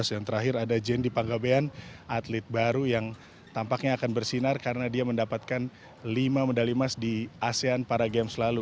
yang terakhir ada jendi panggabean atlet baru yang tampaknya akan bersinar karena dia mendapatkan lima medali emas di asean para games lalu